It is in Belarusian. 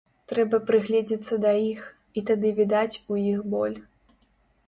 Трэба прыгледзіцца да іх, і тады відаць у іх боль.